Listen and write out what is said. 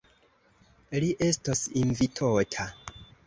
Li estos invitota.